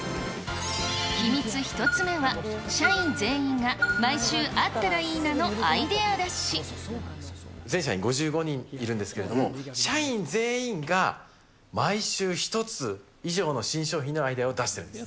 秘密１つ目は、社員全員が毎週、全社員５５人いるんですけれども、社員全員が毎週１つ以上の新商品のアイデアを出しているんです。